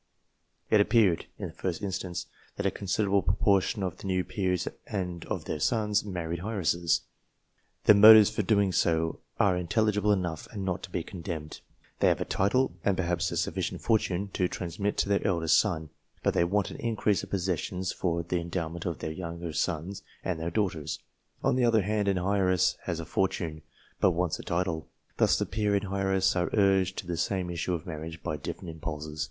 It appeared, in the first instance, that a con siderable proportion of the new peers and of their sons married heiresses. Their motives for doing so are in telligible enough, and not to be condemned. They have a title, and perhaps a sufficient fortune, to transmit to their eldest son, but they want an increase of possessions for the endowment of their younger sons and their daughters. On THEIR INFLUENCE UPON RACE the other hand, an heiress has a fortune, but wants a title. Thus the peer and heiress are urged to the same issue of marriage by different impulses.